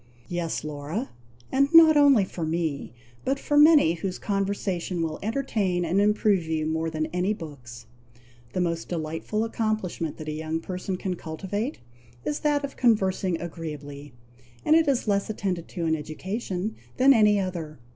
"Yes, Laura! and not only for me, but for many whose conversation will entertain and improve you more than any books. The most delightful accomplishment that a young person can cultivate, is that of conversing agreeably; and it is less attended to in education than any other.